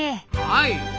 はい。